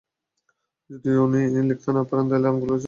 যদি উনি লিখতে না পারেন, তাইলে আঙুলের ছাপও দিতে পারবেন।